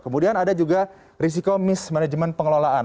kemudian ada juga risiko mismanagement pengelolaan